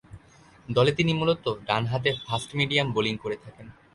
দলে তিনি মূলতঃ ডানহাতে ফাস্ট-মিডিয়াম বোলিং করে থাকেন।